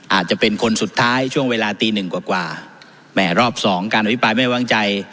อาจจะเป็นคนสุดท้ายช่วงเวลาตีหนึ่งกว่ากว่าแหม่รอบสองการอภิปรายไม่วางใจ